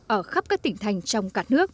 ở khắp các tỉnh thành trong cả nước